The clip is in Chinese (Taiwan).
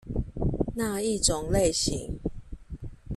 那一種類型